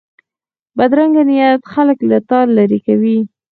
بدرنګه نیت خلک له تا لرې کوي